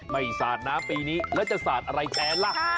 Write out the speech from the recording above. สาดน้ำปีนี้แล้วจะสาดอะไรแทนล่ะ